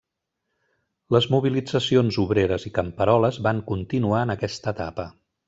Les mobilitzacions obreres i camperoles van continuar en aquesta etapa.